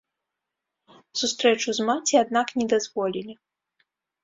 Сустрэчу з маці, аднак, не дазволілі.